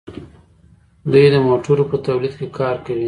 دوی د موټرو په تولید کې کار کوي.